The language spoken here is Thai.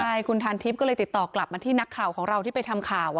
ใช่คุณทานทิพย์ก็เลยติดต่อกลับมาที่นักข่าวของเราที่ไปทำข่าว